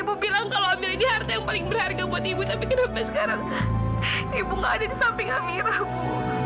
ibu bilang kalau ambil ini harta yang paling berharga buat ibu tapi kenapa sekarang ibu nggak ada di samping kami ramu